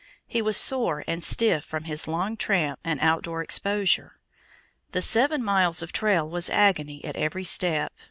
He was sore and stiff from his long tramp and outdoor exposure. The seven miles of trail was agony at every step.